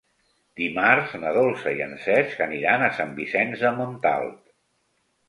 Dimarts na Dolça i en Cesc aniran a Sant Vicenç de Montalt.